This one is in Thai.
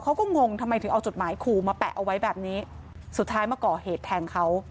งงทำไมถึงเอาจดหมายขู่มาแปะเอาไว้แบบนี้สุดท้ายมาก่อเหตุแทงเขา